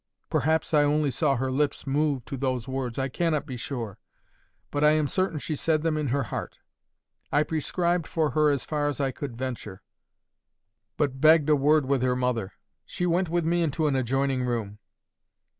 Perhaps I only saw her lips move to those words—I cannot be sure, but I am certain she said them in her heart. I prescribed for her as far as I could venture, but begged a word with her mother. She went with me into an adjoining room.